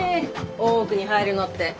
大奥に入るのって。